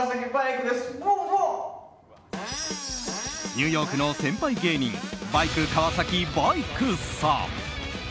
ニューヨークの先輩芸人バイク川崎バイクさん。